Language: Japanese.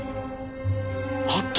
あった！